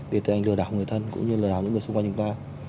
để tự hành lửa đảo người thân cũng như lửa đảo những người xung quanh chúng ta